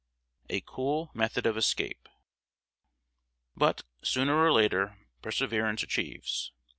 [Sidenote: A COOL METHOD OF ESCAPE.] But, sooner or later, perseverance achieves.